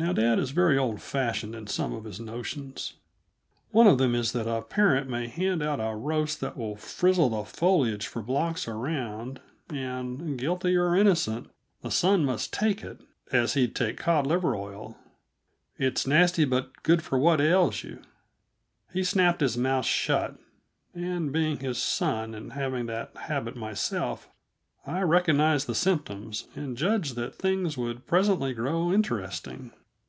Now dad is very old fashioned in some of his notions; one of them is that a parent may hand out a roast that will frizzle the foliage for blocks around, and, guilty or innocent, the son must take it, as he'd take cod liver oil it's nasty but good for what ails you. He snapped his mouth shut, and, being his son and having that habit myself, I recognized the symptoms and judged that things would presently grow interesting.